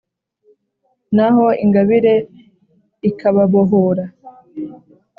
naho ingabire ikababohora